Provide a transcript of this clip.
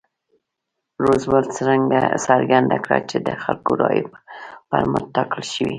روزولټ څرګنده کړه چې د خلکو رایو پر مټ ټاکل شوی.